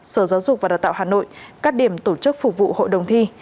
sở giáo dục và đào tạo hà nội các điểm tổ chức phục vụ hội đồng thi